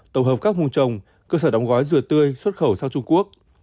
tổng hợp các vùng trồng cơ sở đóng gói dừa tươi xuất khẩu sang trung quốc